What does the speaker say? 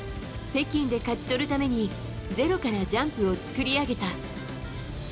北京で勝ち取るためにゼロからジャンプを作り上げた。